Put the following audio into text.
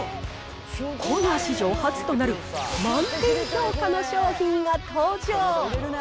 コーナー史上初となる満点評価の商品が登場。